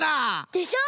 でしょ？